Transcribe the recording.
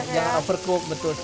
iya jangan overcook